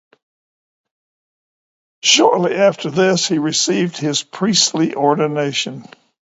Shortly after this, he received his priestly ordination.